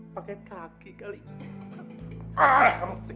pakai kaki mungkin